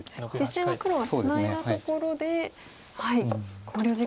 実戦は黒がツナいだところで考慮時間に入りました。